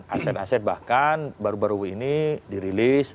aset aset bahkan baru baru ini dirilis